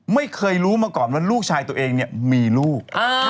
ไม่เคยรู้มาก่อนว่าลูกชายตัวเองเนี่ยมีลูก